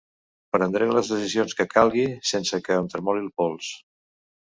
Prendré les decisions que calgui sense que em tremoli el pols.